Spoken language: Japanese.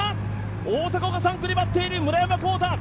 大迫が３区で待っている、村山紘太。